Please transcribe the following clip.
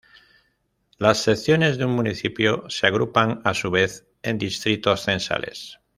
Las secciones de un municipio se agrupan a su vez en distritos censales.